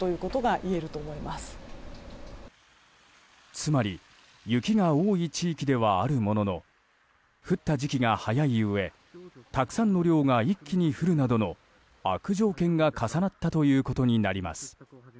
つまり雪が多い地域ではあるものの降った時期が早いうえたくさんの量が一気に降るなど悪条件が重なったということになります。